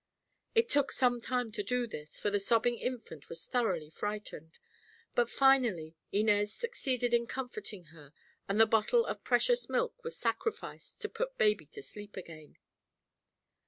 It took some time to do this, for the sobbing infant was thoroughly frightened, but finally Inez succeeded in comforting her and the bottle of precious milk was sacrificed to put baby to sleep again.